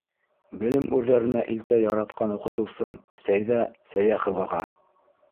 Белем үрҙәренә илтә Яратҡан уҡытыусым Сәйҙә Сәйәховаға